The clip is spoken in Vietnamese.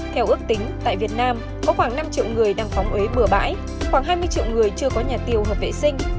theo ước tính tại việt nam có khoảng năm triệu người đang phóng huế bừa bãi khoảng hai mươi triệu người chưa có nhà tiêu hợp vệ sinh